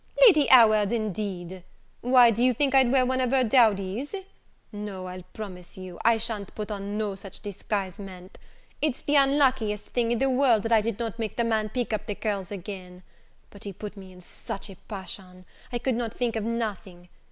"Lady Howard, indeed! why, do you think I'd wear one of her dowdies? No, I'll promise you, I sha'n't put on no such disguisement. It's the unluckiest thing in the world that I did not make the man pick up the curls again; but he put me in such a passion, I could not think of nothing.